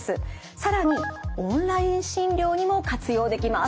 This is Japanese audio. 更にオンライン診療にも活用できます。